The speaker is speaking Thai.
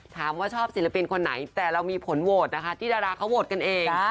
ชอบศิลปินคนไหนแต่เรามีผลโหวตนะคะที่ดาราเขาโหวตกันเอง